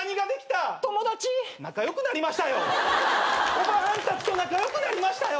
おばはんたちと仲良くなりましたよ。